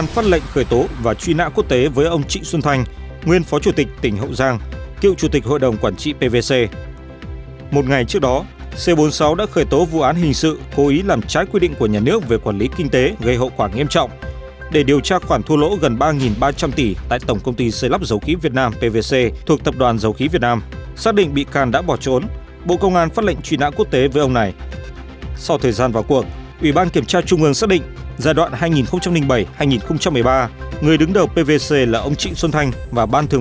bảy vụ án cố ý làm trái quyết định của nhà nước về quản lý kinh tế gây hậu quả nghiêm trọng lợi dụng trực vụ vi phạm quyết định về cho vai trong hoạt động của các tổ chức tiến dụng xảy ra tại ngân hàng công thương việt nam chi nhánh tp hcm